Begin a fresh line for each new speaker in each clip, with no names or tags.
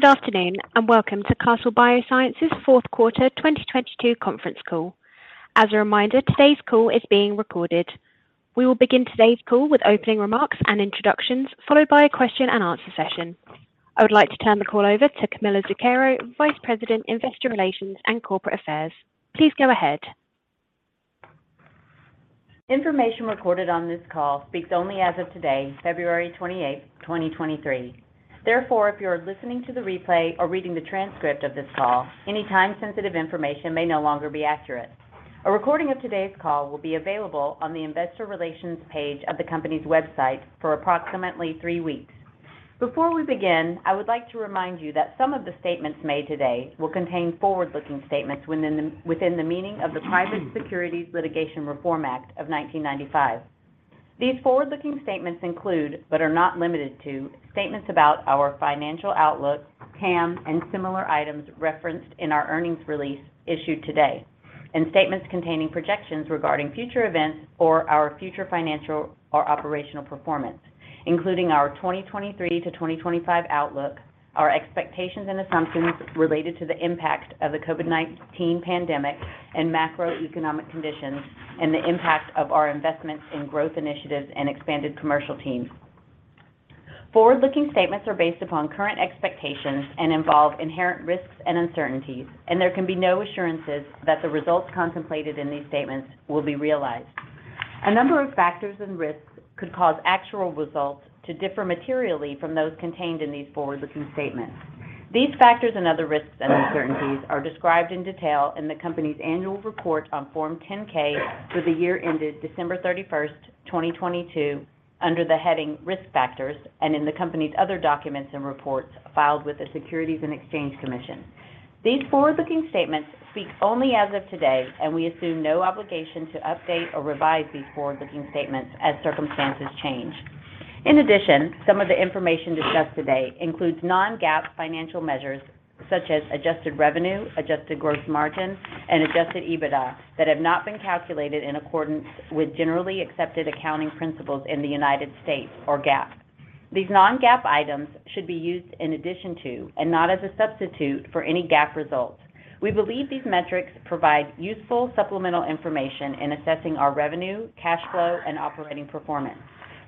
Good afternoon, and welcome to Castle Biosciences Fourth Quarter 2022 Conference Call. As a reminder, today's call is being recorded. We will begin today's call with opening remarks and introductions, followed by a question-and-answer session. I would like to turn the call over to Camilla Zuckero, Vice President, Investor Relations and Corporate Affairs. Please go ahead.
Information recorded on this call speaks only as of today, February 28th, 2023. Therefore, if you are listening to the replay or reading the transcript of this call, any time-sensitive information may no longer be accurate. A recording of today's call will be available on the investor relations page of the company's website for approximately three weeks. Before we begin, I would like to remind you that some of the statements made today will contain forward-looking statements within the meaning of the Private Securities Litigation Reform Act of 1995. These forward-looking statements include, but are not limited to statements about our financial outlook, CAM, and similar items referenced in our earnings release issued today, and statements containing projections regarding future events or our future financial or operational performance, including our 2023 to 2025 outlook, our expectations and assumptions related to the impact of the COVID-19 pandemic and macroeconomic conditions, and the impact of our investments in growth initiatives and expanded commercial teams. Forward-looking statements are based upon current expectations and involve inherent risks and uncertainties. There can be no assurances that the results contemplated in these statements will be realized. A number of factors and risks could cause actual results to differ materially from those contained in these forward-looking statements. These factors and other risks and uncertainties are described in detail in the company's annual report on Form 10-K for the year ended December 31st, 2022, under the heading Risk Factors, and in the company's other documents and reports filed with the Securities and Exchange Commission. These forward-looking statements speak only as of today, and we assume no obligation to update or revise these forward-looking statements as circumstances change. In addition, some of the information discussed today includes non-GAAP financial measures such as adjusted revenue, adjusted gross margin, and Adjusted EBITDA that have not been calculated in accordance with generally accepted accounting principles in the United States or GAAP. These non-GAAP items should be used in addition to, and not as a substitute for any GAAP results. We believe these metrics provide useful supplemental information in assessing our revenue, cash flow, and operating performance.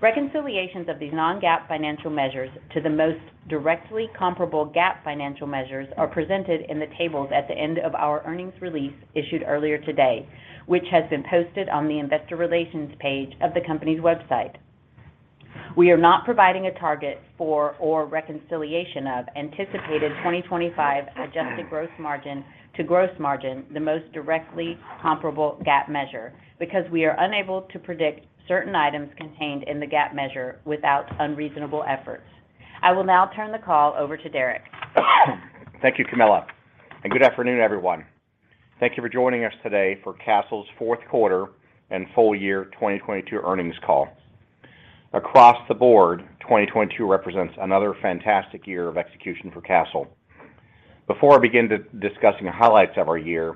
Reconciliations of these non-GAAP financial measures to the most directly comparable GAAP financial measures are presented in the tables at the end of our earnings release issued earlier today, which has been posted on the investor relations page of the company's website. We are not providing a target for or reconciliation of anticipated 2025 adjusted gross margin to gross margin, the most directly comparable GAAP measure, because we are unable to predict certain items contained in the GAAP measure without unreasonable efforts. I will now turn the call over to Derek.
Thank you, Camilla. Good afternoon, everyone. Thank you for joining us today for Castle's Fourth Quarter and Full Year 2022 Earnings Call. Across the board, 2022 represents another fantastic year of execution for Castle. Before I begin discussing the highlights of our year,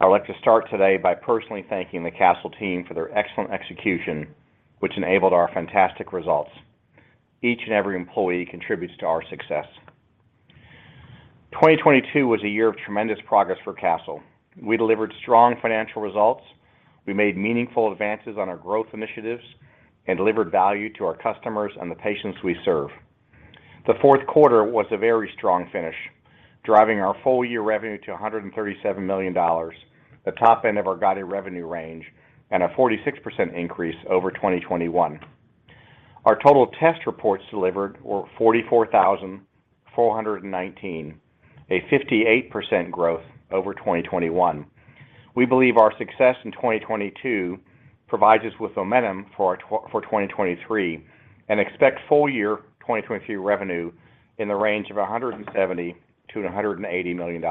I would like to start today by personally thanking the Castle team for their excellent execution, which enabled our fantastic results. Each and every employee contributes to our success. 2022 was a year of tremendous progress for Castle. We delivered strong financial results. We made meaningful advances on our growth initiatives and delivered value to our customers and the patients we serve. The fourth quarter was a very strong finish, driving our full year revenue to $137 million, the top end of our guided revenue range, a 46% increase over 2021. Our total test reports delivered were 44,419, a 58% growth over 2021. We believe our success in 2022 provides us with momentum for 2023 and expect full year 2023 revenue in the range of $170 million-$180 million.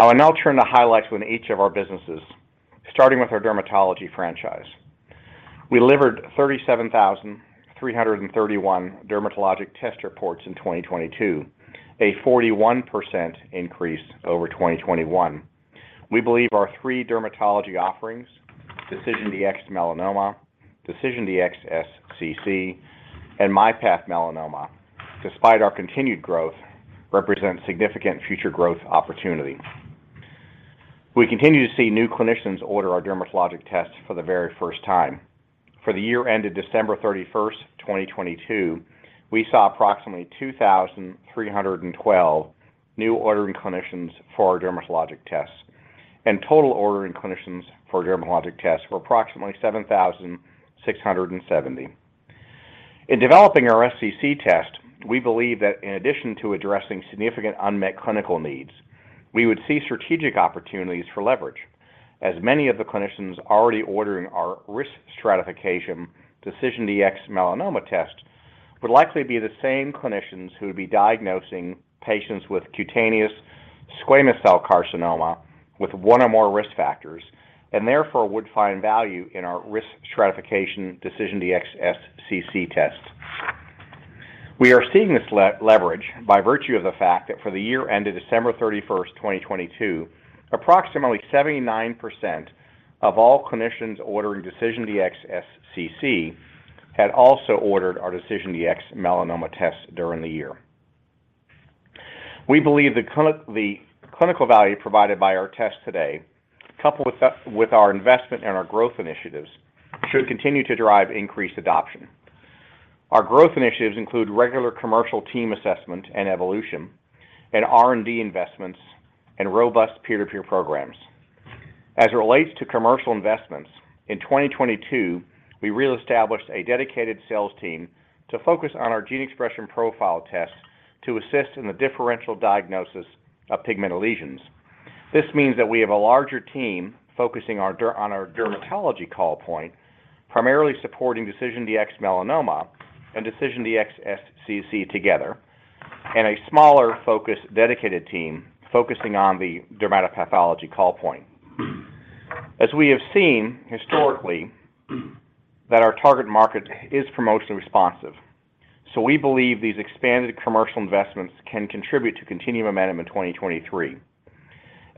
I will now turn to highlights within each of our businesses, starting with our dermatology franchise. We delivered 37,331 dermatologic test reports in 2022, a 41% increase over 2021. We believe our three dermatology offerings, DecisionDx-Melanoma, DecisionDx-SCC, and MyPath Melanoma, despite our continued growth, represent significant future growth opportunity. We continue to see new clinicians order our dermatologic tests for the very first time. For the year ended December 31st, 2022, we saw approximately 2,312 new ordering clinicians for our dermatologic tests, and total ordering clinicians for dermatologic tests were approximately 7,670. In developing our SCC test, we believe that in addition to addressing significant unmet clinical needs, we would see strategic opportunities for leverage, as many of the clinicians already ordering our risk stratification DecisionDx-Melanoma test would likely be the same clinicians who would be diagnosing patients with cutaneous squamous cell carcinoma with one or more risk factors, and therefore would find value in our risk stratification DecisionDx-SCC test. We are seeing this leverage by virtue of the fact that for the year ended December 31st, 2022, approximately 79% of all clinicians ordering DecisionDx-SCC had also ordered our DecisionDx-Melanoma test during the year. We believe the clinical value provided by our test today, coupled with our investment and our growth initiatives, should continue to drive increased adoption. Our growth initiatives include regular commercial team assessment and evolution and R&D investments and robust peer-to-peer programs. It relates to commercial investments, in 2022, we re-established a dedicated sales team to focus on our gene expression profile tests to assist in the differential diagnosis of pigment lesions. This means that we have a larger team focusing on our dermatology call point, primarily supporting DecisionDx-Melanoma and DecisionDx-SCC together, and a smaller focused dedicated team focusing on the dermatopathology call point. We have seen historically that our target market is promotionally responsive, we believe these expanded commercial investments can contribute to continued momentum in 2023.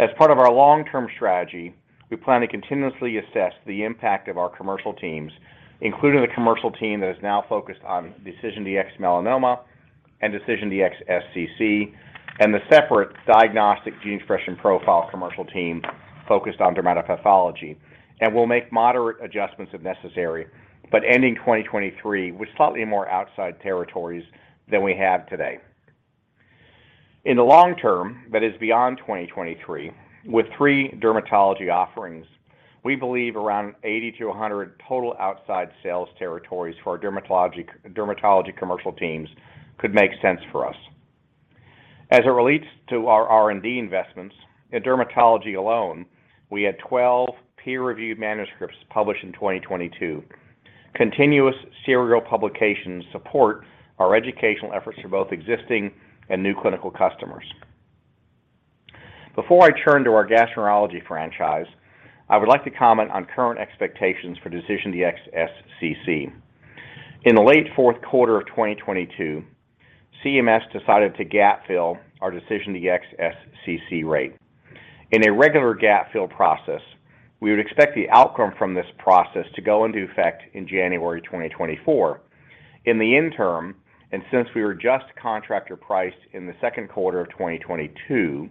As part of our long-term strategy, we plan to continuously assess the impact of our commercial teams, including the commercial team that is now focused on DecisionDx-Melanoma and DecisionDx-SCC and the separate diagnostic gene expression profile commercial team focused on dermatopathology. We'll make moderate adjustments if necessary, but ending 2023 with slightly more outside territories than we have today. In the long term, that is beyond 2023, with three dermatology offerings, we believe around 80 to 100 total outside sales territories for our dermatology commercial teams could make sense for us. As it relates to our R&D investments, in dermatology alone, we had 12 peer-reviewed manuscripts published in 2022. Continuous serial publications support our educational efforts for both existing and new clinical customers. Before I turn to our gastroenterology franchise, I would like to comment on current expectations for DecisionDx-SCC. In the late fourth quarter of 2022, CMS decided to gap-fill our DecisionDx-SCC rate. In a regular gap-fill process, we would expect the outcome from this process to go into effect in January 2024. In the interim, and since we were just contractor priced in the second quarter of 2022,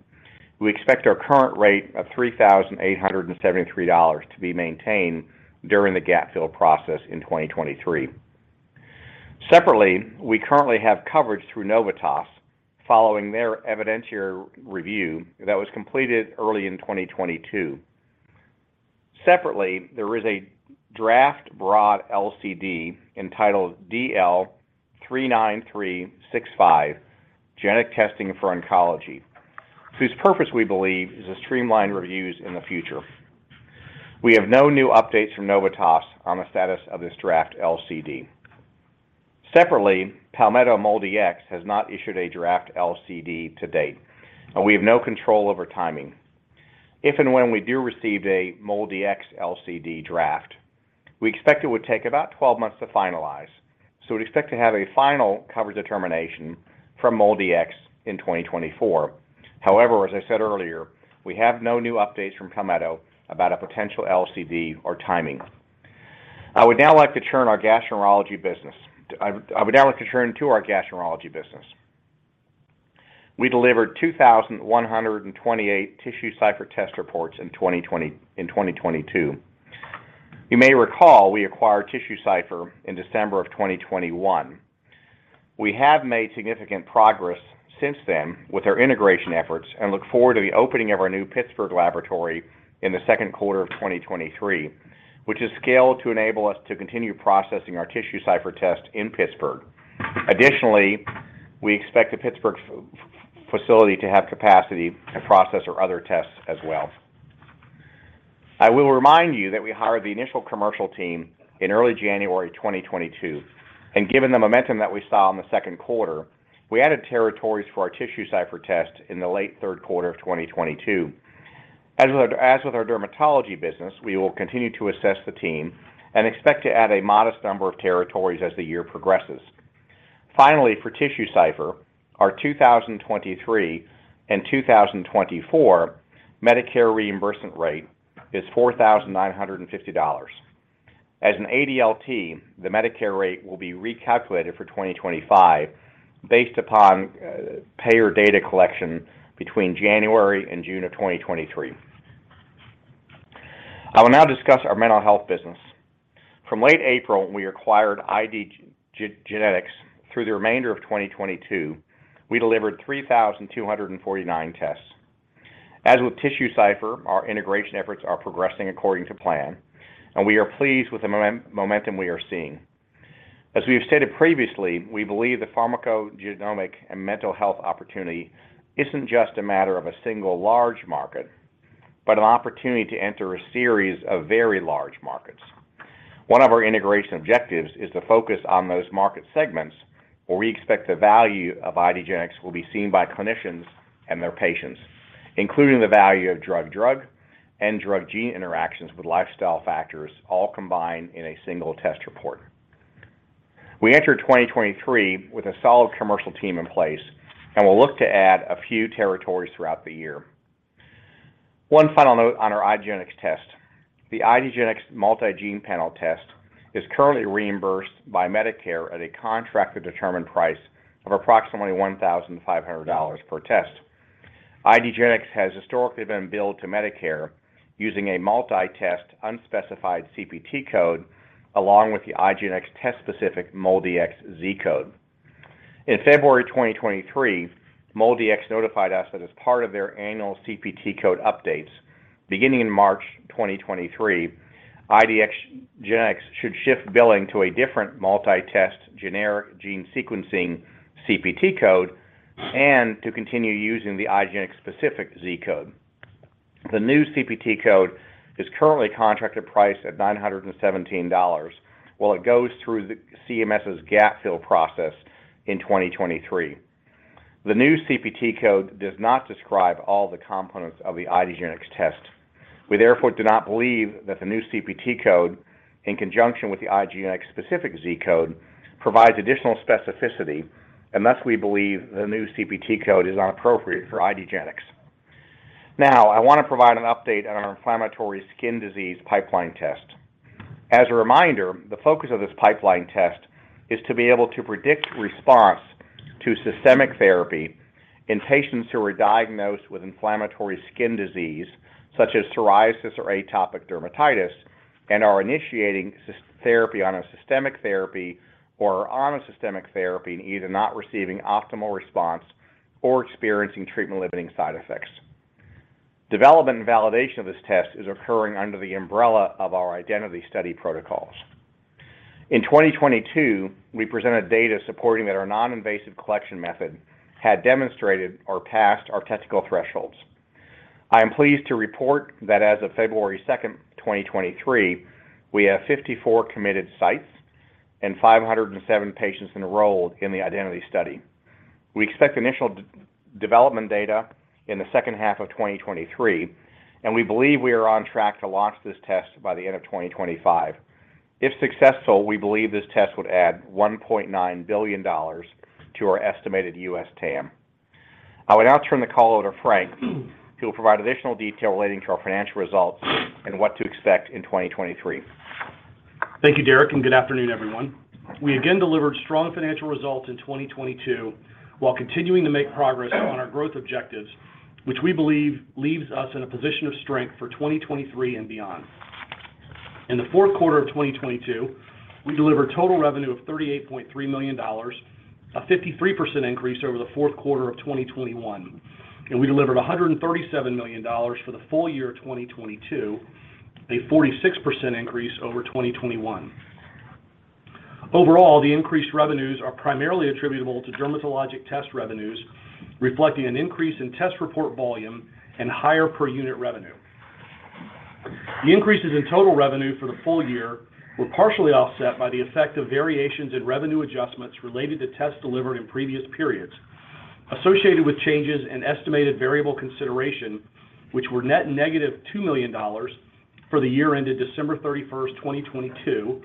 we expect our current rate of $3,873 to be maintained during the gap-fill process in 2023. Separately, we currently have coverage through Novitas following their evidentiary review that was completed early in 2022. Separately, there is a draft broad LCD entitled DL39365, Genetic Testing for Oncology, whose purpose we believe is to streamline reviews in the future. We have no new updates from Novitas on the status of this draft LCD. Separately, Palmetto MolDX has not issued a draft LCD to date, and we have no control over timing. If and when we do receive a MolDX LCD draft, we expect it would take about 12 months to finalize, so we'd expect to have a final cover determination from MolDX in 2024. However, as I said earlier, we have no new updates from Palmetto about a potential LCD or timing. I would now like to turn to our gastroenterology business. We delivered 2,128 TissueCypher test reports in 2022. You may recall we acquired TissueCypher in December of 2021. We have made significant progress since then with our integration efforts and look forward to the opening of our new Pittsburgh laboratory in the second quarter of 2023, which is scaled to enable us to continue processing our TissueCypher test in Pittsburgh. Additionally, we expect the Pittsburgh facility to have capacity to process our other tests as well. I will remind you that we hired the initial commercial team in early January 2022, and given the momentum that we saw in the second quarter, we added territories for our TissueCypher test in the late third quarter of 2022. As with our dermatology business, we will continue to assess the team and expect to add a modest number of territories as the year progresses. Finally, for TissueCypher, our 2023 and 2024 Medicare reimbursement rate is $4,950. As an ADLT, the Medicare rate will be recalculated for 2025 based upon payer data collection between January and June of 2023. I will now discuss our mental health business. From late April, we acquired IDgenetix. Through the remainder of 2022, we delivered 3,249 tests. As with TissueCypher, our integration efforts are progressing according to plan, and we are pleased with the momentum we are seeing. As we have stated previously, we believe the pharmacogenomic and mental health opportunity isn't just a matter of a single large market, but an opportunity to enter a series of very large markets. One of our integration objectives is to focus on those market segments where we expect the value of IDgenetix will be seen by clinicians and their patients, including the value of drug-drug and drug-gene interactions with lifestyle factors all combined in a single test report. We entered 2023 with a solid commercial team in place, and we'll look to add a few territories throughout the year. One final note on our IDgenetix test. The IDgenetix multi-gene panel test is currently reimbursed by Medicare at a contract to determine price of approximately $1,500 per test. IDgenetix has historically been billed to Medicare using a multi-test unspecified CPT code along with the IDgenetix test-specific MolDX Z-Code. In February 2023, MolDX notified us that as part of their annual CPT code updates, beginning in March 2023, IDgenetix should shift billing to a different multi-test generic gene sequencing CPT code and to continue using the IDgenetix specific Z-Code. The new CPT code is currently contracted priced at $917 while it goes through the CMS's gap-fill process in 2023. The new CPT code does not describe all the components of the IDgenetix test. We therefore do not believe that the new CPT code in conjunction with the IDgenetix specific Z-Code provides additional specificity, and thus, we believe the new CPT code is not appropriate for IDgenetix. Now, I want to provide an update on our inflammatory skin disease pipeline test. As a reminder, the focus of this pipeline test is to be able to predict response to systemic therapy in patients who are diagnosed with inflammatory skin disease, such as psoriasis or atopic dermatitis, and are initiating systemic therapy or are on a systemic therapy and either not receiving optimal response or experiencing treatment limiting side effects. Development and validation of this test is occurring under the umbrella of our IDENTITY study protocols. In 2022, we presented data supporting that our non-invasive collection method had demonstrated or passed our technical thresholds. I am pleased to report that as of February second, 2023, we have 54 committed sites and 507 patients enrolled in the IDENTITY study. We expect initial development data in the second half of 2023. We believe we are on track to launch this test by the end of 2025. If successful, we believe this test would add $1.9 billion to our estimated US TAM. I will now turn the call over to Frank, who will provide additional detail relating to our financial results and what to expect in 2023.
Thank you, Derek. Good afternoon, everyone. We again delivered strong financial results in 2022 while continuing to make progress on our growth objectives, which we believe leaves us in a position of strength for 2023 and beyond. In the fourth quarter of 2022, we delivered total revenue of $38.3 million, a 53% increase over the fourth quarter of 2021. We delivered $137 million for the full year 2022, a 46% increase over 2021. Overall, the increased revenues are primarily attributable to dermatologic test revenues, reflecting an increase in test report volume and higher per unit revenue. The increases in total revenue for the full year were partially offset by the effect of variations in revenue adjustments related to tests delivered in previous periods associated with changes in estimated variable consideration, which were net negative $2 million for the year ended December 31st, 2022,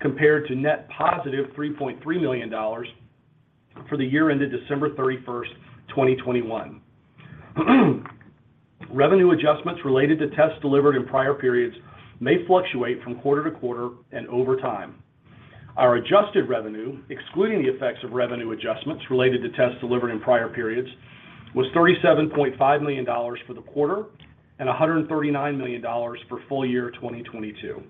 compared to net positive $3.3 million for the year ended December 31st, 2021. Revenue adjustments related to tests delivered in prior periods may fluctuate from quarter to quarter and over time. Our adjusted revenue, excluding the effects of revenue adjustments related to tests delivered in prior periods, was $37.5 million for the quarter and $139 million for full year 2022.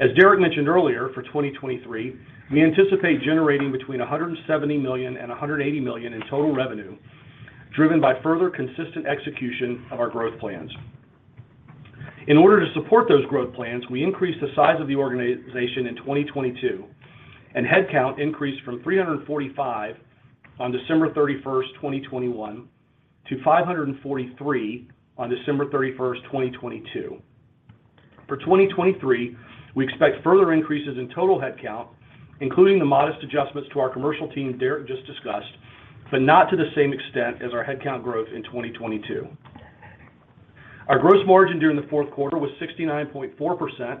As Derek mentioned earlier, for 2023, we anticipate generating between $170 million and $180 million in total revenue, driven by further consistent execution of our growth plans. In order to support those growth plans, we increased the size of the organization in 2022, and head count increased from 345 on December 31st, 2021, to 543 on December 31st, 2022. For 2023, we expect further increases in total head count, including the modest adjustments to our commercial team Derek just discussed, but not to the same extent as our head count growth in 2022. Our gross margin during the fourth quarter was 69.4%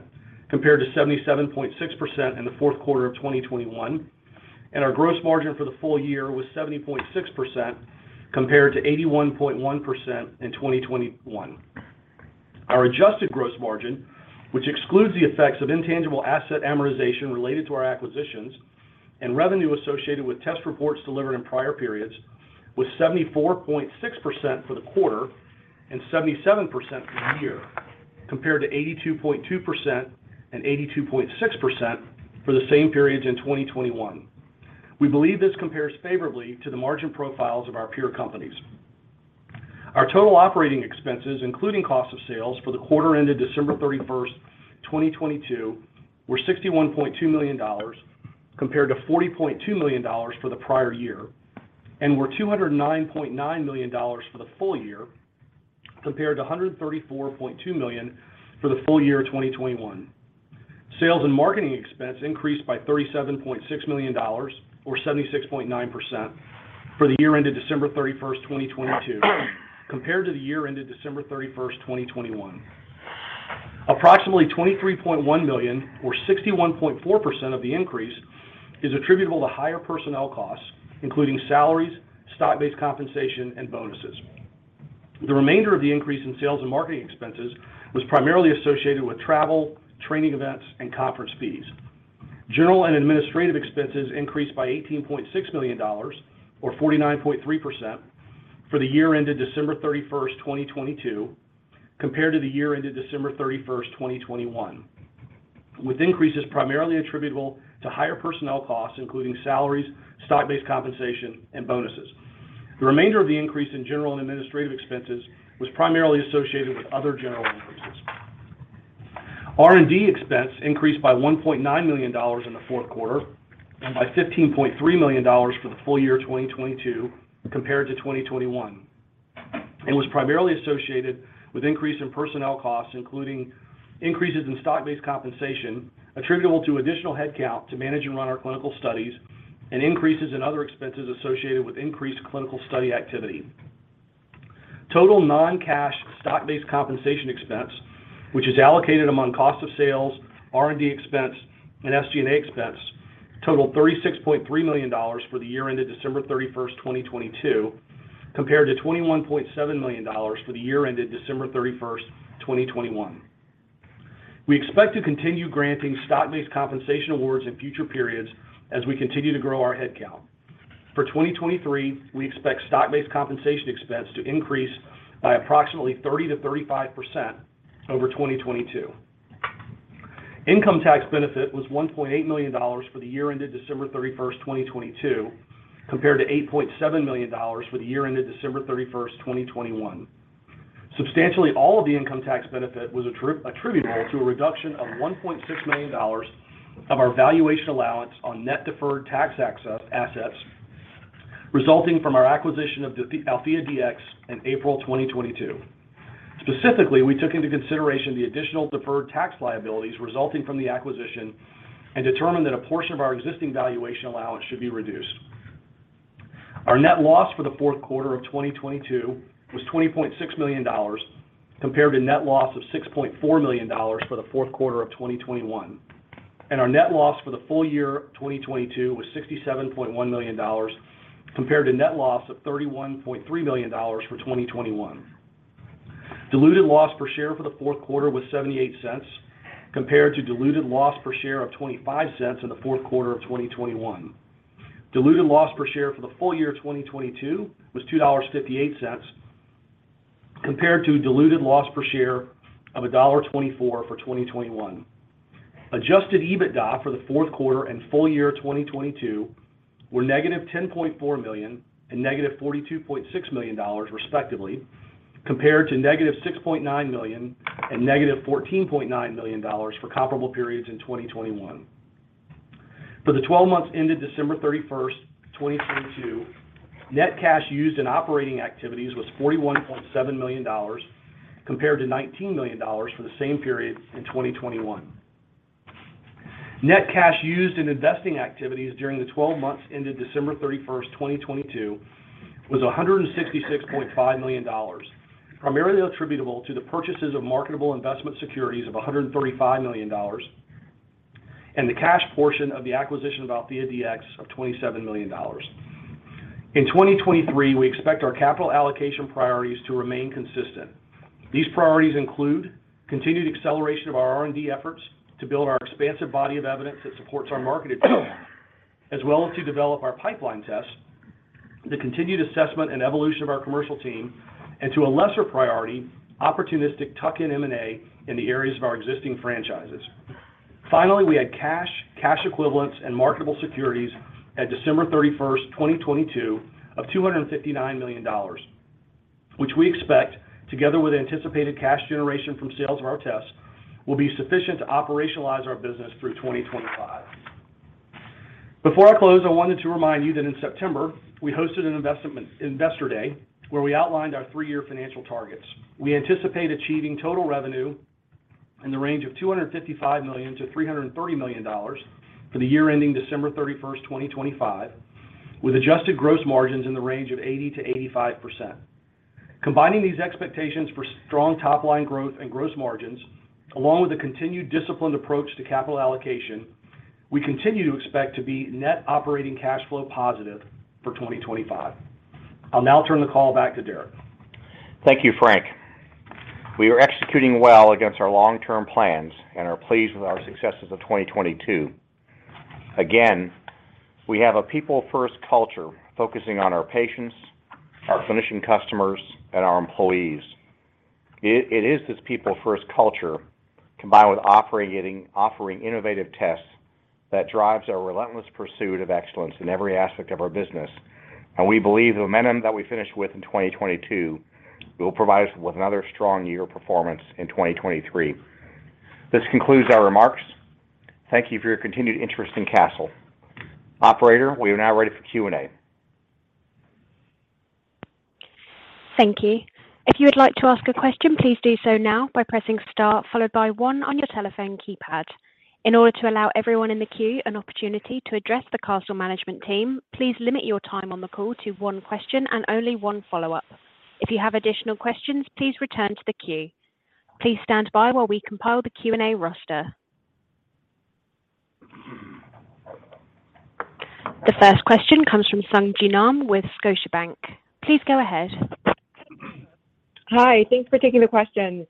compared to 77.6% in the fourth quarter of 2021, and our gross margin for the full year was 70.6% compared to 81.1% in 2021. Our adjusted gross margin, which excludes the effects of intangible asset amortization related to our acquisitions and revenue associated with test reports delivered in prior periods, was 74.6% for the quarter and 77% for the year, compared to 82.2% and 82.6% for the same periods in 2021. We believe this compares favorably to the margin profiles of our peer companies. Our total operating expenses, including cost of sales for the quarter ended December 31st, 2022, were $61.2 million, compared to $40.2 million for the prior year, and were $209.9 million for the full year, compared to $134.2 million for the full year 2021. Sales and marketing expense increased by $37.6 million or 76.9% for the year ended December 31st, 2022, compared to the year ended December 31st, 2021. Approximately $23.1 million or 61.4% of the increase is attributable to higher personnel costs, including salaries, stock-based compensation, and bonuses. The remainder of the increase in sales and marketing expenses was primarily associated with travel, training events, and conference fees. General and administrative expenses increased by $18.6 million or 49.3% for the year ended December 31st, 2022, compared to the year ended December 31st, 2021, with increases primarily attributable to higher personnel costs, including salaries, stock-based compensation, and bonuses. The remainder of the increase in general and administrative expenses was primarily associated with other general increases. R&D expense increased by $1.9 million in the fourth quarter and by $15.3 million for the full year 2022 compared to 2021, and was primarily associated with increase in personnel costs, including increases in stock-based compensation attributable to additional headcount to manage and run our clinical studies and increases in other expenses associated with increased clinical study activity. Total non-cash stock-based compensation expense, which is allocated among cost of sales, R&D expense, and SG&A expense, totaled $36.3 million for the year ended December 31st, 2022, compared to $21.7 million for the year ended December 31st, 2021. We expect to continue granting stock-based compensation awards in future periods as we continue to grow our headcount. For 2023, we expect stock-based compensation expense to increase by approximately 30%-35% over 2022. Income tax benefit was $1.8 million for the year ended December 31st, 2022, compared to $8.7 million for the year ended December 31st, 2021. Substantially all of the income tax benefit was attributable to a reduction of $1.6 million of our valuation allowance on net deferred tax assets resulting from our acquisition of AltheaDx in April 2022. Specifically, we took into consideration the additional deferred tax liabilities resulting from the acquisition and determined that a portion of our existing valuation allowance should be reduced. Our net loss for the fourth quarter of 2022 was $20.6 million, compared to net loss of $6.4 million for the fourth quarter of 2021. Our net loss for the full year of 2022 was $67.1 million, compared to net loss of $31.3 million for 2021. Diluted loss per share for the fourth quarter was $0.78, compared to diluted loss per share of $0.25 in the fourth quarter of 2021. Diluted loss per share for the full year of 2022 was $2.58, compared to diluted loss per share of $1.24 for 2021. Adjusted EBITDA for the fourth quarter and full year of 2022 were -$10.4 million and n-$42.6 million, respectively, compared to -$6.9 million and -$14.9 million for comparable periods in 2021. For the 12 months ended December 31st, 2022, net cash used in operating activities was $41.7 million, compared to $19 million for the same period in 2021. Net cash used in investing activities during the 12 months ended December 31st, 2022 was $166.5 million, primarily attributable to the purchases of marketable investment securities of $135 million and the cash portion of the acquisition of AltheaDx of $27 million. In 2023, we expect our capital allocation priorities to remain consistent. These priorities include continued acceleration of our R&D efforts to build our expansive body of evidence that supports our market as well as to develop our pipeline tests, the continued assessment and evolution of our commercial team, and to a lesser priority, opportunistic tuck-in M&A in the areas of our existing franchises. Finally, we had cash equivalents, and marketable securities at December 31st, 2022 of $259 million, which we expect, together with anticipated cash generation from sales of our tests, will be sufficient to operationalize our business through 2025. Before I close, I wanted to remind you that in September, we hosted an Investor Day, where we outlined our three-year financial targets. We anticipate achieving total revenue in the range of $255 million-$330 million for the year ending December 31st, 2025, with adjusted gross margins in the range of 80%-85%. Combining these expectations for strong top-line growth and gross margins, along with a continued disciplined approach to capital allocation, we continue to expect to be net operating cash flow positive for 2025. I'll now turn the call back to Derek.
Thank you, Frank. We are executing well against our long-term plans and are pleased with our successes of 2022. Again, we have a people-first culture focusing on our patients, our clinician customers, and our employees. It is this people-first culture combined with offering innovative tests that drives our relentless pursuit of excellence in every aspect of our business, and we believe the momentum that we finished with in 2022 will provide us with another strong year of performance in 2023. This concludes our remarks. Thank you for your continued interest in Castle. Operator, we are now ready for Q&A.
Thank you. If you would like to ask a question, please do so now by pressing star followed by one on your telephone keypad. In order to allow everyone in the queue an opportunity to address the Castle management team, please limit your time on the call to one question and only one follow-up. If you have additional questions, please return to the queue. Please stand by while we compile the Q&A roster. The first question comes from Sung Ji Nam with Scotiabank. Please go ahead.
Hi. Thanks for taking the questions.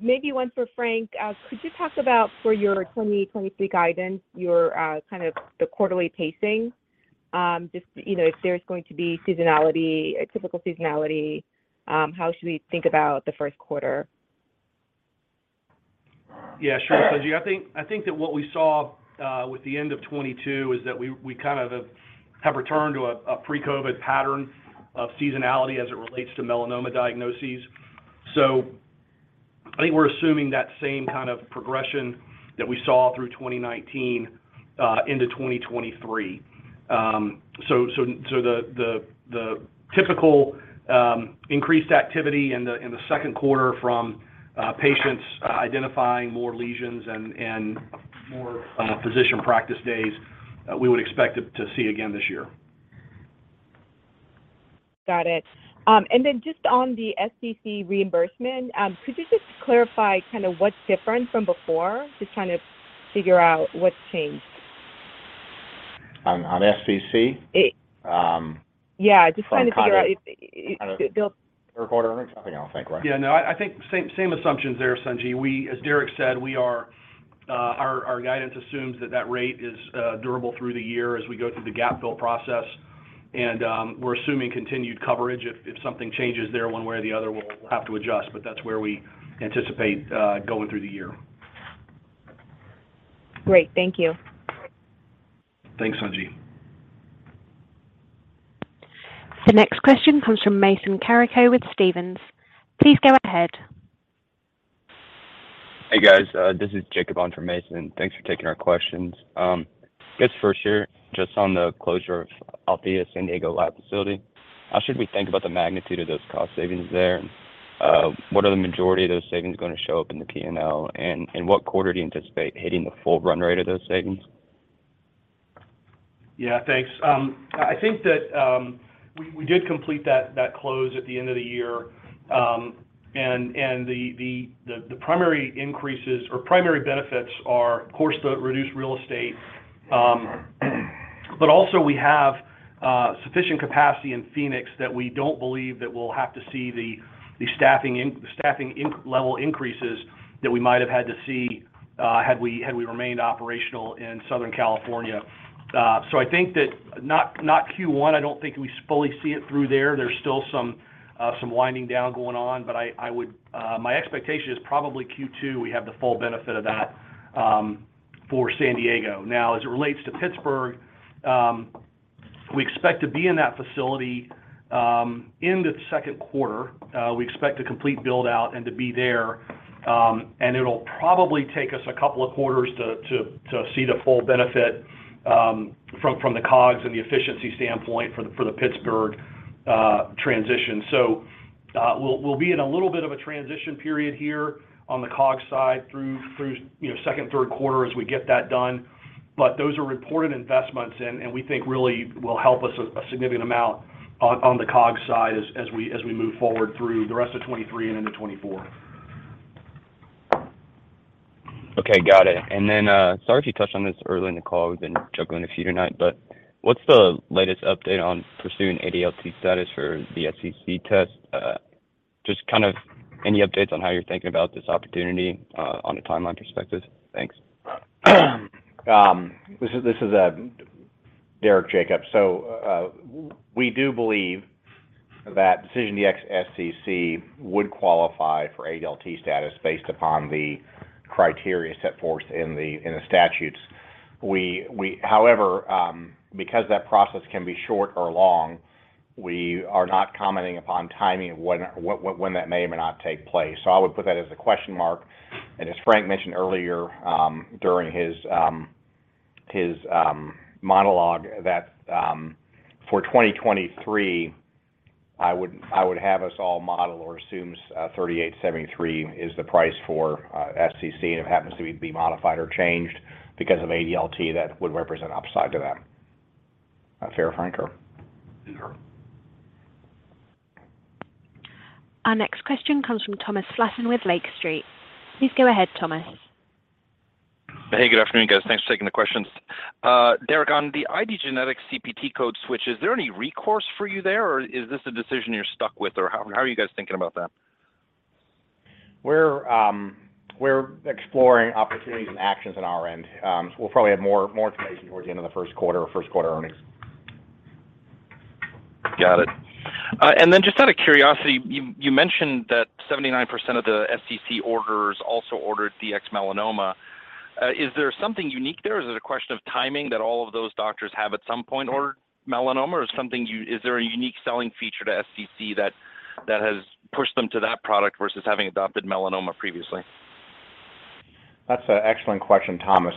Maybe one for Frank. Could you talk about for your 2023 guidance, your kind of the quarterly pacing, just, you know, if there's going to be seasonality, a typical seasonality, how should we think about the first quarter?
Yeah, sure, Sung Ji. I think that what we saw with the end of 2022 is that we kind of have returned to a pre-COVID pattern of seasonality as it relates to melanoma diagnoses. I think we're assuming that same kind of progression that we saw through 2019 into 2023. The typical increased activity in the second quarter from patients identifying more lesions and more physician practice days, we would expect to see again this year.
Got it. Then just on the SCC reimbursement, could you just clarify kind of what's different from before, just trying to figure out what's changed?
On SCC?
Yeah, just trying to figure out.
From kind of third quarter earnings? I think I'll take, right?
Yeah, no, I think same assumptions there, Sung Ji. As Derek said, we are our guidance assumes that that rate is durable through the year as we go through the gap-fill process. We're assuming continued coverage. If, if something changes there one way or the other, we'll have to adjust, but that's where we anticipate going through the year.
Great. Thank you.
Thanks, Sung Ji.
The next question comes from Mason Carrico with Stephens. Please go ahead.
Hey, guys. this is Jacob on for Mason. Thanks for taking our questions. I guess first here, just on the closure of Althea San Diego lab facility, how should we think about the magnitude of those cost savings there? What are the majority of those savings gonna show up in the P&L? What quarter do you anticipate hitting the full run rate of those savings?
Yeah, thanks. I think that we did complete that close at the end of the year. The primary increases or primary benefits are of course the reduced real estate. We also have sufficient capacity in Phoenix that we don't believe that we'll have to see the staffing level increases that we might have had to see had we remained operational in Southern California. I think that not Q1, I don't think we fully see it through there. There's still some winding down going on. My expectation is probably Q2, we have the full benefit of that for San Diego. As it relates to Pittsburgh, we expect to be in that facility into second quarter. We expect to complete build out and to be there. It'll probably take us a couple of quarters to see the full benefit from the COGS and the efficiency standpoint for the Pittsburgh transition. We'll be in a little bit of a transition period here on the COGS side through, you know, second, third quarter as we get that done. Those are reported investments and we think really will help us a significant amount on the COGS side as we move forward through the rest of 2023 and into 2024.
Okay. Got it. Then, sorry if you touched on this earlier in the call. We've been juggling a few tonight, but what's the latest update on pursuing ADLT status for the SCC test? Just kind of any updates on how you're thinking about this opportunity, on a timeline perspective? Thanks.
This is Derek, Jacob. We do believe that DecisionDx-SCC would qualify for ADLT status based upon the criteria set forth in the statutes. However, because that process can be short or long, we are not commenting upon timing of when that may or may not take place. I would put that as a question mark. As Frank mentioned earlier, during his monologue, for 2023, I would have us all model or assumes $3,873 is the price for SCC. If it happens to be modified or changed because of ADLT, that would represent upside to that. Is that fair, Frank, or?
Sure.
Our next question comes from Thomas Flaten with Lake Street. Please go ahead, Thomas.
Hey, good afternoon, guys. Thanks for taking the questions. Derek, on the IDgenetix CPT code switch, is there any recourse for you there, or is this a decision you're stuck with, or how are you guys thinking about that?
We're exploring opportunities and actions on our end. We'll probably have more information towards the end of the first quarter or first quarter earnings.
Got it. Then just out of curiosity, you mentioned that 79% of the SCC orders also ordered Dx-Melanoma. Is there something unique there? Is it a question of timing that all of those doctors have at some point ordered Melanoma or something Is there a unique selling feature to SCC that has pushed them to that product versus having adopted Melanoma previously?
That's an excellent question, Thomas.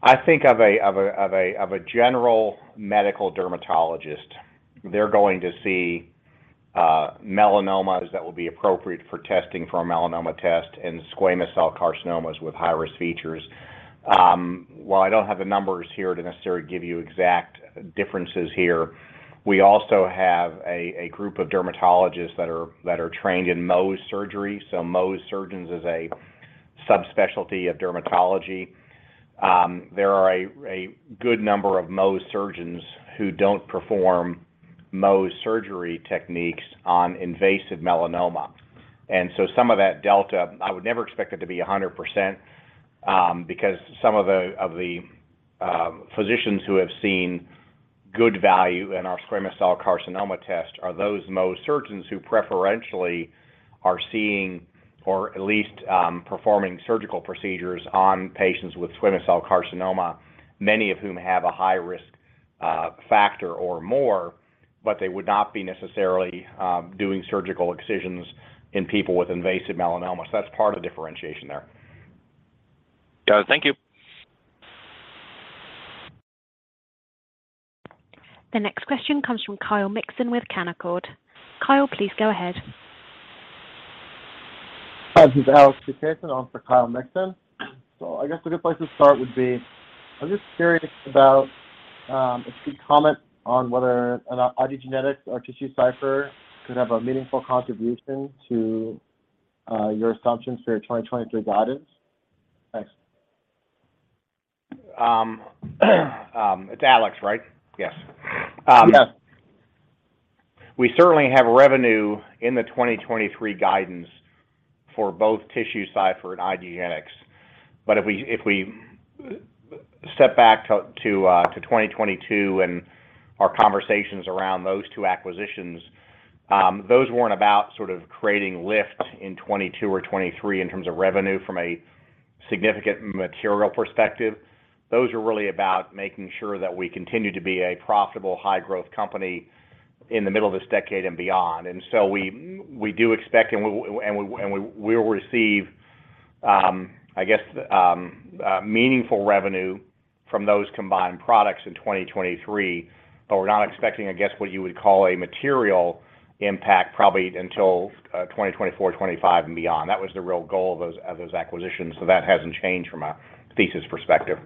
I think of a general medical dermatologist, they're going to see melanomas that will be appropriate for testing for a melanoma test and squamous cell carcinomas with high-risk features. While I don't have the numbers here to necessarily give you exact differences here, we also have a group of dermatologists that are trained in Mohs surgery. Mohs surgeons is a subspecialty of dermatology. There are a good number of Mohs surgeons who don't perform Mohs surgery techniques on invasive melanoma. Some of that delta, I would never expect it to be 100%, because some of the physicians who have seen good value in our squamous cell carcinoma test are those Mohs surgeons who preferentially are seeing or at least performing surgical procedures on patients with squamous cell carcinoma, many of whom have a high-risk factor or more, but they would not be necessarily doing surgical excisions in people with invasive melanoma. That's part of the differentiation there.
Got it. Thank you.
The next question comes from Kyle Mikson with Canaccord. Kyle, please go ahead.
Hi, this is Alex for Kyle Mikson. I guess a good place to start would be, I'm just curious about if you'd comment on whether IDgenetix or TissueCypher could have a meaningful contribution to your assumptions for your 2023 guidance. Thanks.
It's Alex, right? Yes.
Yes.
We certainly have revenue in the 2023 guidance for both TissueCypher and IDgenetix. If we step back to 2022 and our conversations around those two acquisitions, those weren't about sort of creating lift in 2022 or 2023 in terms of revenue from a significant material perspective. Those are really about making sure that we continue to be a profitable high-growth company in the middle of this decade and beyond. We do expect and we'll receive, I guess, meaningful revenue from those combined products in 2023, but we're not expecting, I guess, what you would call a material impact probably until 2024, 2025 and beyond. That was the real goal of those acquisitions. That hasn't changed from a thesis perspective.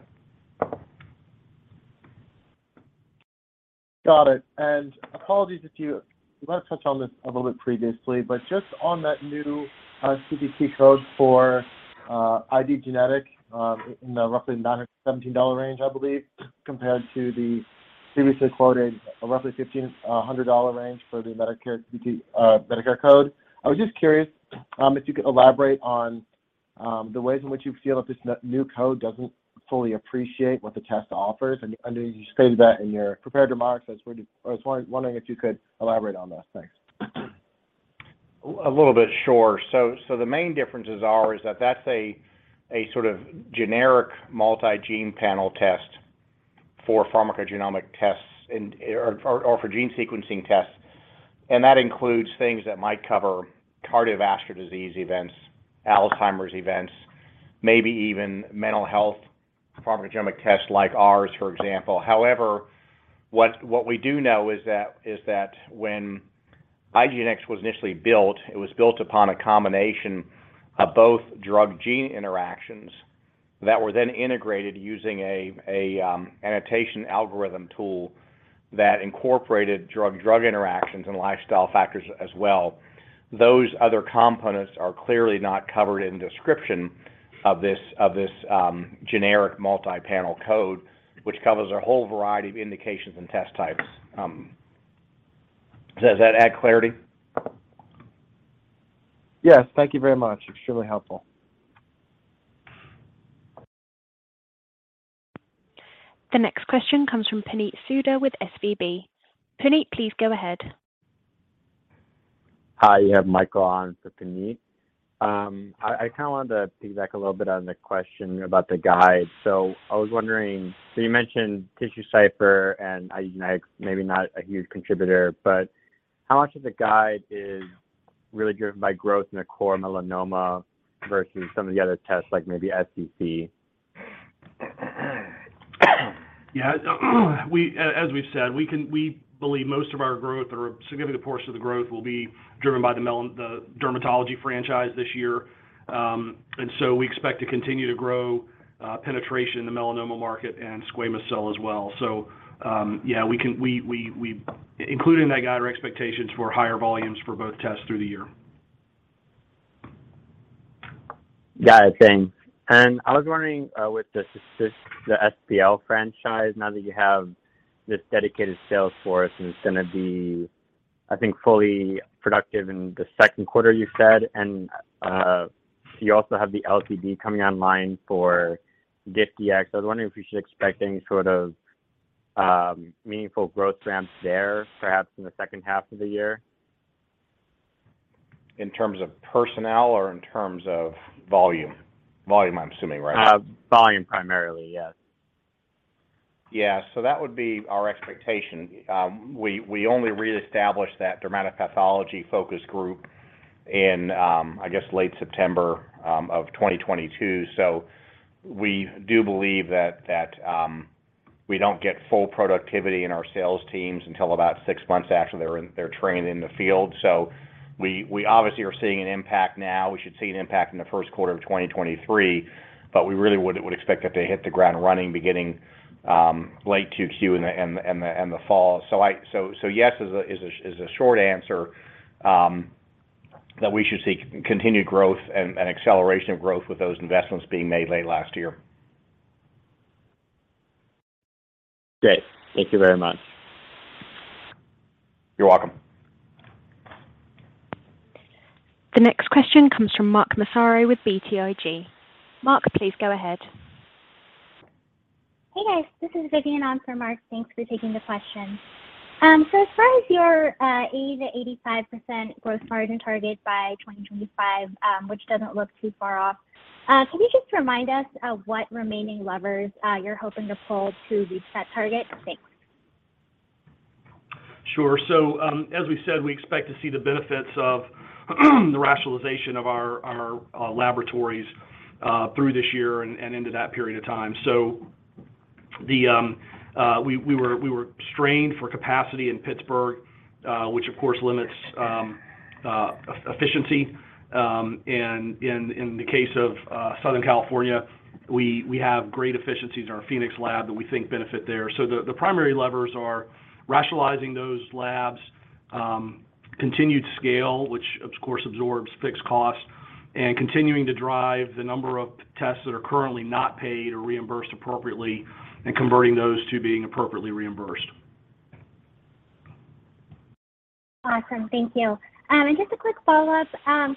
Got it. Apologies if you might have touched on this a little bit previously, but just on that new CPT code for IDgenetix, in the roughly $917 range, I believe, compared to the previously quoted roughly $1,500 range for the Medicare code. I was just curious, if you could elaborate on the ways in which you feel that this new code doesn't fully appreciate what the test offers. I know you stated that in your prepared remarks. I was wondering if you could elaborate on this. Thanks.
A little bit, sure. The main differences are, is that that's a sort of generic multi-gene panel test for pharmacogenomic tests or for gene sequencing tests. That includes things that might cover cardiovascular disease events, Alzheimer's events, maybe even mental health pharmacogenomic tests like ours, for example. However, what we do know is that when IDgenetix was initially built, it was built upon a combination of both drug-gene interactions that were then integrated using a annotation algorithm tool that incorporated drug-drug interactions and lifestyle factors as well. Those other components are clearly not covered in description of this generic multi-panel code, which covers a whole variety of indications and test types. Does that add clarity?
Yes. Thank you very much. Extremely helpful.
The next question comes from Puneet Souda with SVB. Puneet, please go ahead.
Hi, you have Michael on for Puneet. I kind of wanted to piggyback a little bit on the question about the guide. I was wondering, so you mentioned TissueCypher and IDgenetix maybe not a huge contributor, but how much of the guide is really driven by growth in the core melanoma versus some of the other tests like maybe SCC?
Yeah, as we've said, we believe most of our growth or a significant portion of the growth will be driven by the dermatology franchise this year. We expect to continue to grow penetration in the melanoma market and squamous cell as well. Yeah, Including that guide, our expectations were higher volumes for both tests through the year.
Got it. Thanks. I was wondering, with the SPL franchise, now that you have this dedicated sales force and it's gonna be, I think, fully productive in the second quarter, you said. You also have the LDT coming online for DecisionDx-GIST. I was wondering if you should expect any sort of meaningful growth ramps there, perhaps in the second half of the year.
In terms of personnel or in terms of volume? Volume, I'm assuming, right?
Volume primarily, yes.
Yeah. That would be our expectation. We only reestablished that dermatopathology focus group in, I guess, late September 2022. We do believe that we don't get full productivity in our sales teams until about six months after they're trained in the field. We obviously are seeing an impact now. We should see an impact in the first quarter of 2023, but we really would expect that to hit the ground running beginning late 2Q in the fall. Yes is a short answer. That we should see continued growth and acceleration of growth with those investments being made late last year.
Great. Thank you very much.
You're welcome.
The next question comes from Mark Massaro with BTIG. Mark, please go ahead.
Hey, guys. This is Vidyun on for Mark. Thanks for taking the question. As far as your 80%-85% growth margin target by 2025, which doesn't look too far off, can you just remind us of what remaining levers you're hoping to pull to reach that target? Thanks.
Sure. As we said, we expect to see the benefits of the rationalization of our laboratories through this year and into that period of time. We were strained for capacity in Pittsburgh, which of course limits efficiency. In the case of Southern California, we have great efficiencies in our Phoenix lab that we think benefit there. The primary levers are rationalizing those labs, continued scale, which of course absorbs fixed costs, and continuing to drive the number of tests that are currently not paid or reimbursed appropriately and converting those to being appropriately reimbursed.
Awesome. Thank you. Just a quick follow-up.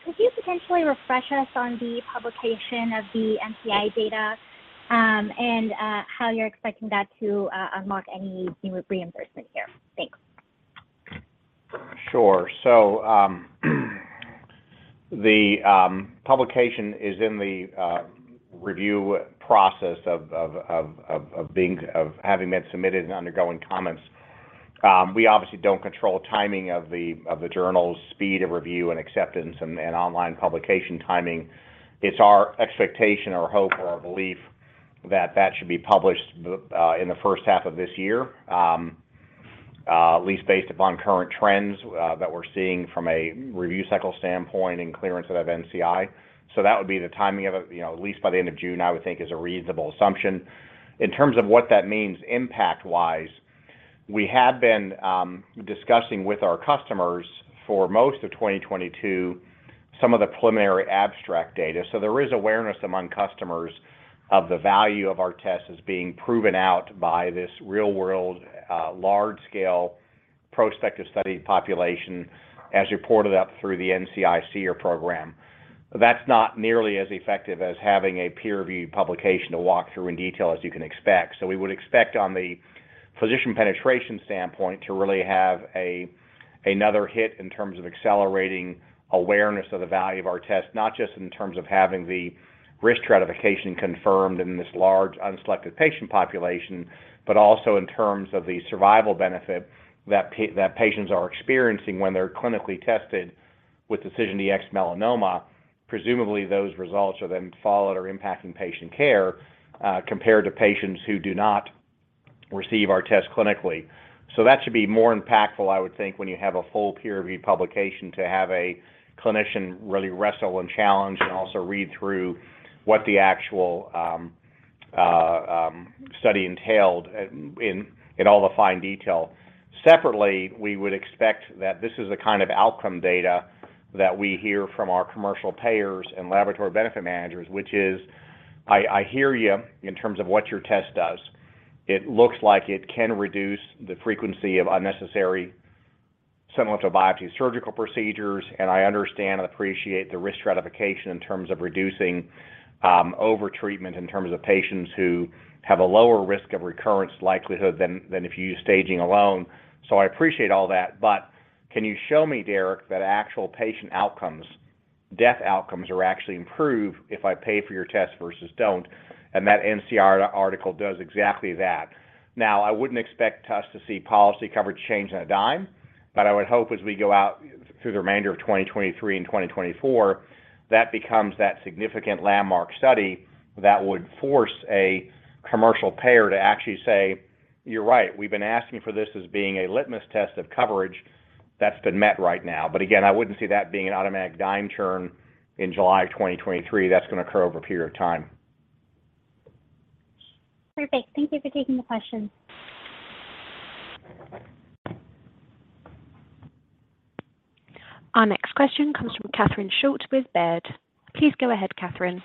Could you potentially refresh us on the publication of the NCI data, and how you're expecting that to unlock any new reimbursement here? Thanks.
The publication is in the review process of having been submitted and undergoing comments. We obviously don't control timing of the journal's speed of review and acceptance and online publication timing. It's our expectation or hope or our belief that that should be published in the first half of this year, at least based upon current trends that we're seeing from a review cycle standpoint and clearance out of NCI. That would be the timing of it. You know, at least by the end of June, I would think is a reasonable assumption. In terms of what that means impact-wise, we have been discussing with our customers for most of 2022 some of the preliminary abstract data. There is awareness among customers of the value of our tests as being proven out by this real-world, large-scale prospective study population as reported up through the NCI SEER program. That's not nearly as effective as having a peer-reviewed publication to walk through in detail as you can expect. We would expect on the physician penetration standpoint to really have a, another hit in terms of accelerating awareness of the value of our test, not just in terms of having the risk stratification confirmed in this large unselected patient population, but also in terms of the survival benefit that patients are experiencing when they're clinically tested with DecisionDx-Melanoma. Presumably, those results are then followed or impacting patient care, compared to patients who do not receive our test clinically. That should be more impactful, I would think, when you have a full peer review publication to have a clinician really wrestle and challenge and also read through what the actual study entailed in all the fine detail. Separately, we would expect that this is the kind of outcome data that we hear from our commercial payers and laboratory benefit managers, which is, "I hear you in terms of what your test does. It looks like it can reduce the frequency of unnecessary sentinel biopsy surgical procedures, and I understand and appreciate the risk stratification in terms of reducing over-treatment in terms of patients who have a lower risk of recurrence likelihood than if you use staging alone. I appreciate all that. Can you show me, Derek, that actual patient outcomes, death outcomes are actually improved if I pay for your test versus don't?" That NCR article does exactly that. I wouldn't expect us to see policy coverage change on a dime, but I would hope as we go out through the remainder of 2023 and 2024, that becomes that significant landmark study that would force a commercial payer to actually say, "You're right. We've been asking for this as being a litmus test of coverage that's been met right now." Again, I wouldn't see that being an automatic dime turn in July of 2023. That's gonna occur over a period of time.
Perfect. Thank you for taking the question.
Our next question comes from Catherine Schulte with Baird. Please go ahead, Catherine.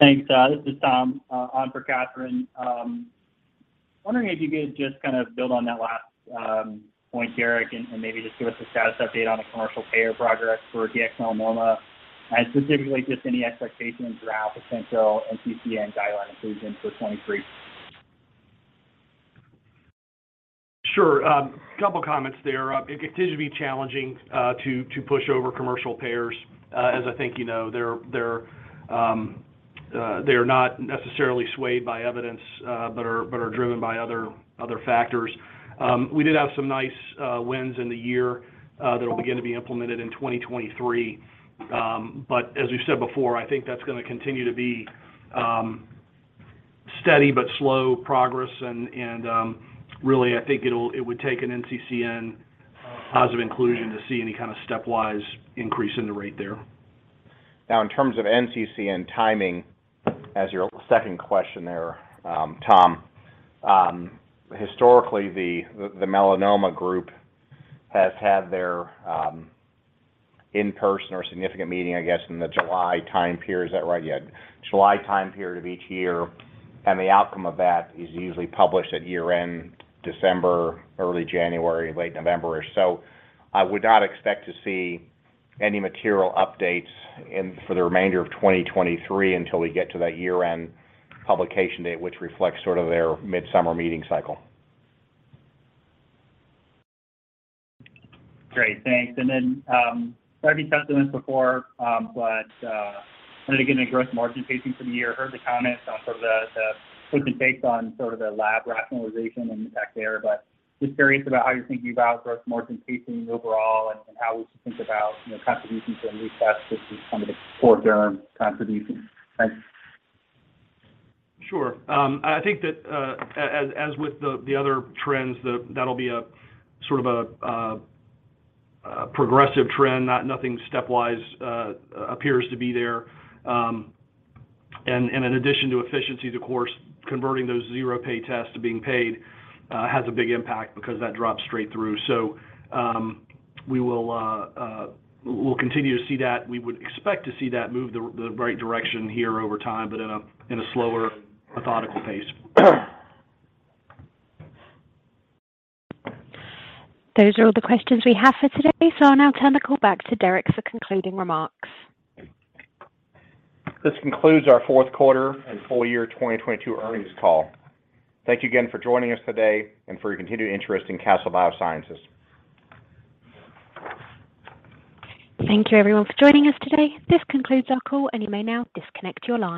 Thanks. This is Tom, on for Catherine. Wondering if you could just kind of build on that last point, Derek, and maybe just give us a status update on the commercial payer progress for DX Melanoma, and specifically just any expectations around potential NCCN guideline inclusion for 2023.
Sure. A couple of comments there. It continues to be challenging to push over commercial payers. As I think you know, they're, they're not necessarily swayed by evidence, but are, but are driven by other factors. We did have some nice wins in the year that will begin to be implemented in 2023. As we've said before, I think that's gonna continue to be steady but slow progress and, really, I think it would take an NCCN positive inclusion to see any kind of stepwise increase in the rate there. In terms of NCCN timing, as your second question there, Tom, historically, the melanoma group has had their in-person or significant meeting, I guess in the July time period. Is that right? Yeah. July time period of each year. The outcome of that is usually published at year-end, December, early January, late November or so. I would not expect to see any material updates for the remainder of 2023 until we get to that year-end publication date, which reflects sort of their mid-summer meeting cycle.
Great. Thanks. I know you've touched on this before, but wanted to get into gross margin pacing for the year. Heard the comments on sort of the quicken pace on sort of the lab rationalization and the impact there, but just curious about how you're thinking about gross margin pacing overall and how we should think about, you know, contributions and recess versus some of the core term contributions. Thanks.
Sure. I think that, as with the other trends, that'll be a sort of a progressive trend. Nothing stepwise appears to be there. In addition to efficiency, the course converting those zero pay tests to being paid has a big impact because that drops straight through. We'll continue to see that. We would expect to see that move the right direction here over time, but in a, in a slower, methodical pace.
Those are all the questions we have for today. I'll now turn the call back to Derek for concluding remarks.
This concludes our Fourth Quarter and Full Year 2022 Earnings Call. Thank you again for joining us today and for your continued interest in Castle Biosciences.
Thank you everyone for joining us today. This concludes our call, and you may now disconnect your line.